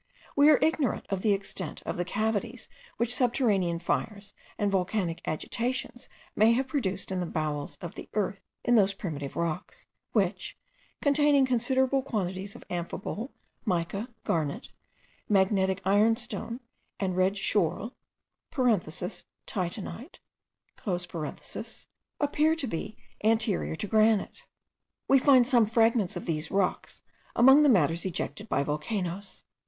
We are ignorant of the extent of the cavities which subterranean fires and volcanic agitations may have produced in the bowels of the earth in those primitive rocks, which, containing considerable quantities of amphibole, mica, garnet, magnetic iron stone, and red schorl (titanite), appear to be anterior to granite. We find some fragments of these rocks among the matters ejected by volcanoes.